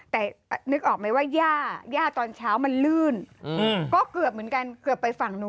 แต่นึกออกไหมว่าย่าย่าตอนเช้ามันลื่นก็เกือบเหมือนกันเกือบไปฝั่งนู้น